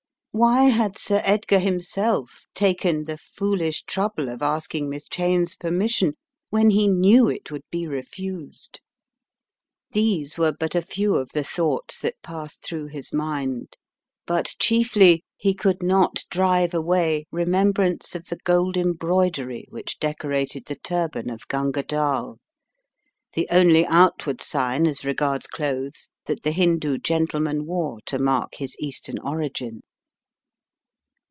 Why had Sir Edgar himself taken the foolish trouble of asking Miss Cheyne's permis sion when he knew it would be refused? These were but a few of the thoughts that passed through his mind. But chiefly he could not drive away remembrance of the gold embroidery which decorated the turban of Gunga Dall, the only out ward sign as regards clothes that the Hindoo gentle man wore to mark his Eastern origin.